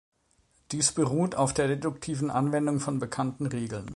Dies beruht auf der deduktiven Anwendung von bekannten Regeln.